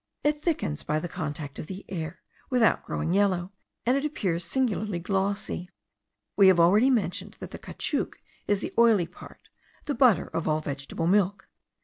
It thickens by the contact of the air, without growing yellow, and it appears singularly glossy. We have already mentioned that the caoutchouc is the oily part, the butter of all vegetable milk.